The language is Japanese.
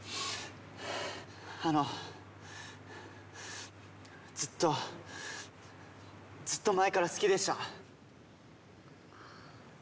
あのずっとずっと前から好きでした。